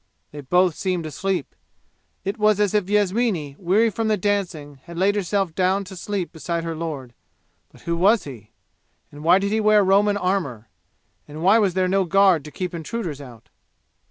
They both seemed asleep. It was as if Yasmini, weary from the dancing, had laid herself to sleep beside her lord. But who was he? And why did he wear Roman armor? And why was there no guard to keep intruders out?